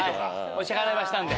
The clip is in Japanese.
お支払いはしたんで。